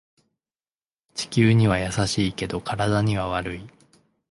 地球には優しいけど体には悪い